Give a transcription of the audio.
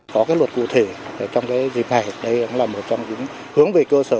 có cái luật cụ thể trong cái dịp hải đây là một trong những hướng về cơ sở